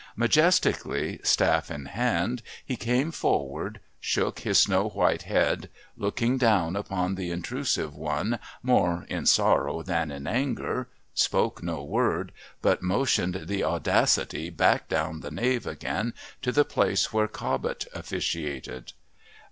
Majestically staff in hand, he came forward, shook his snow white head, looking down upon the intrusive one more in sorrow than in anger, spoke no word, but motioned the audacity back down the nave again to the place where Cobbett officiated.